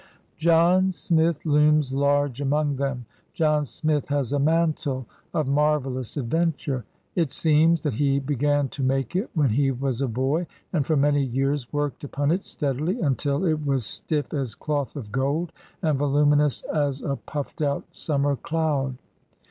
John Smith looms large among them. John Smith has a mantle of marvelous adventure. It seems that he began to make it when he was a boy, and for many years worked upon it steadily until it was stiff as doth of gold and voluminous as a puffed out sunmier cloud.